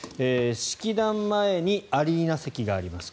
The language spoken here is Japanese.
式壇前にアリーナ席があります。